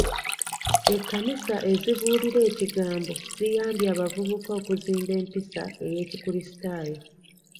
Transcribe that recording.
Ekkanisa ezibuulira ekigambo ziyambye abavubuka okuzimba empisa y'ekikulisitaayo.